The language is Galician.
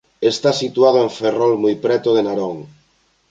Está situado en Ferrol moi preto de Narón.